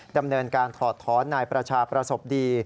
ดำเนินการถอดถอนนายประชาประสบดี